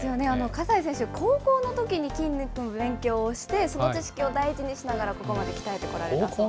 葛西選手、高校のときに筋肉の勉強をして、その知識を大事にしながらここまで鍛えてこられた。